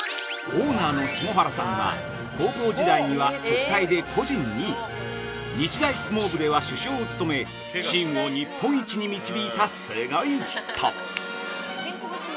◆オーナーの下原さんは高校時代には国体で個人２位、日大相撲部では主将を務め、チームを日本一に導いたすごい人！